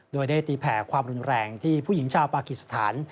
โดยได้ตีแผ่ความรุนแรงที่ผู้หญิงชาวปากิสถาน